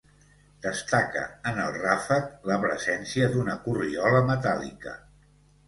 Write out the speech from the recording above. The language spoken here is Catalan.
Destaca, en el ràfec, la presència d'una corriola metàl·lica.